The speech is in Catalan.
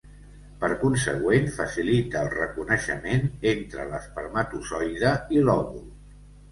Per consegüent, facilita el reconeixement entre l'espermatozoide i l’òvul.